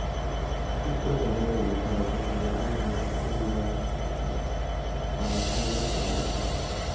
Egipto se había debilitado considerablemente debido a las intrigas palaciegas y el malestar público.